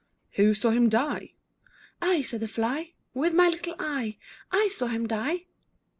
] Who saw him die? I, said the Fly, With my little eye. I saw him die.